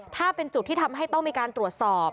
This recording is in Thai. ถ้าเป็นจุดที่ทำให้ต้องมีการตรวจสอบ